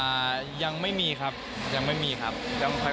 อ่ายังไม่มีครับยังไม่มีครับยังค่อย